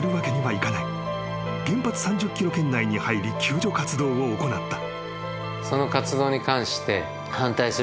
［原発３０ｋｍ圏内に入り救助活動を行った］